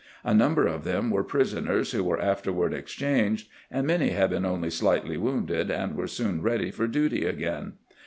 A number of them were prisoners who were afterward exchanged, and many had been only slightly wounded, and were soon ready for duty again.